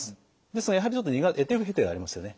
ですがやはりちょっと得手不得手がありますよね。